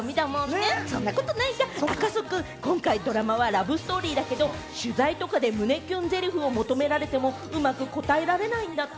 赤楚くん、今回ドラマはラブストーリーだけれども、取材とかで胸キュンセリフを求められても、うまく答えられないんだって？